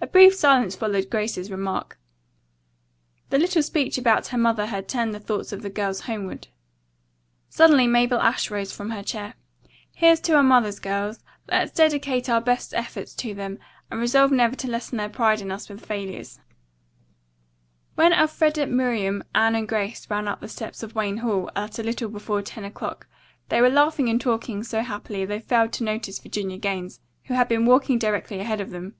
A brief silence followed Grace's remark. The little speech about her mother had turned the thoughts of the girls homeward. Suddenly Mabel Ashe rose from her chair. "Here's to our mothers, girls. Let's dedicate our best efforts to them, and resolve never to lessen their pride in us with failures." [Illustration: Over the Tea and Cakes the Clouds Dispersed.] When Elfreda, Miriam, Anne and Grace ran up the steps of Wayne Hall at a little before ten o'clock they were laughing and talking so happily they failed to notice Virginia Gaines, who had been walking directly ahead of them.